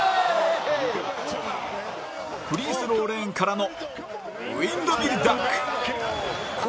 フリースローレーンからのウィンドミルダンク